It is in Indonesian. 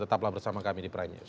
tetaplah bersama kami di prime news